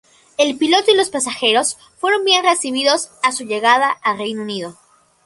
El piloto y los pasajeros fueron bien recibidos a su llegada al Reino Unido.